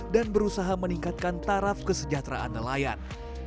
berusaha meningkatkan taraf kesejahteraan nelayan